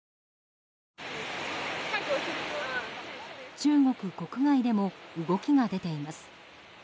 中国国外でも動きが出ています。